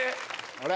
あれ？